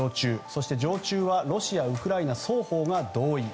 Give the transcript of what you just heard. そして常駐はロシア、ウクライナ双方が同意。